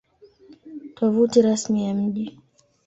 Tovuti Rasmi ya Mji